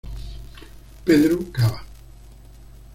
Pedro Caba.